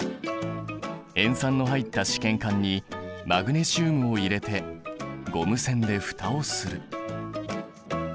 塩酸の入った試験管にマグネシウムを入れてゴム栓で蓋をする。